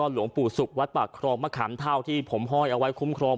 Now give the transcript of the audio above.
และหลวงปู่ศุควันประพรมาข้ามเทาที่ผมห้อยเอาไว้คุ้มครอง